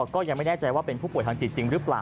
ก็ยังไม่แน่ใจว่าเป็นผู้ป่วยทางจิตจริงหรือเปล่า